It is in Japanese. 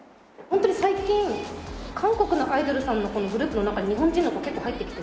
ホントに最近韓国のアイドルさんのグループの中に日本人の子結構入ってきてて。